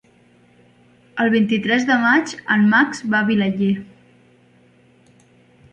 El vint-i-tres de maig en Max va a Vilaller.